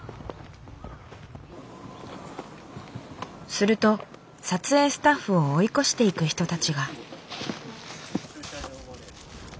すると撮影スタッフを追い越していく人たちが。